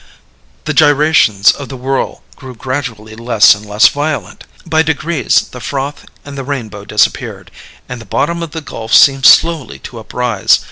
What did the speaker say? The gyrations of the whirl grew gradually less and less violent. By degrees the froth and the rainbow disappeared, and the bottom of the gulf seemed slowly to uprise.